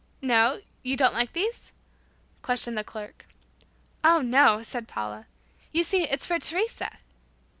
"No? Don't you like these?" questioned the clerk. "Oh, no," said Paula. "You see, it's for Teresa."